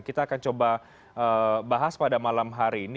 kita akan coba bahas pada malam hari ini